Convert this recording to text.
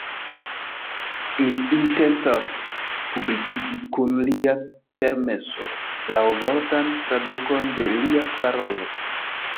Mi intencas publikigi, kun lia permeso, laŭvortan tradukon de lia parolo.